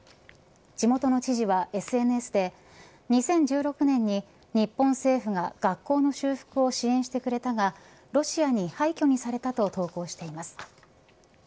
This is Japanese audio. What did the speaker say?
地元の知事はＳＮＳで２０１６年に日本政府が学校の修復を支援してくれたがロシアに廃虚にされたと投稿しています。